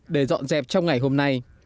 để dọn dẹp trong ngày hôm nay